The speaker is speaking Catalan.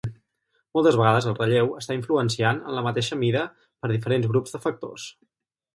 Moltes vegades el relleu està influenciant en la mateixa mida per diferents grups de factors.